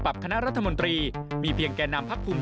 คณะรัฐมนตรีมีเพียงแก่นำพักภูมิ